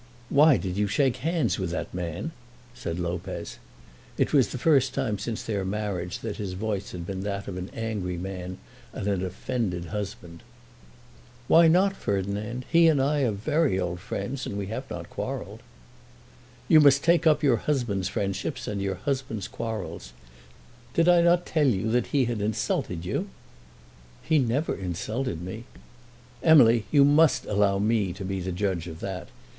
"Why did you shake hands with that man?" said Lopez. It was the first time since their marriage that his voice had been that of an angry man and an offended husband. "Why not, Ferdinand? He and I are very old friends, and we have not quarrelled." "You must take up your husband's friendships and your husband's quarrels. Did I not tell you that he had insulted you?" "He never insulted me." "Emily, you must allow me to be the judge of that.